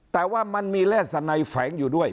แต่ว่ามันมีแร่สนัยแฝงอยู่ด้วย